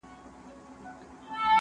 که وخت وي، لوبه کوم!